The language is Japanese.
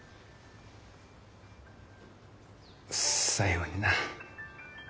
最後にな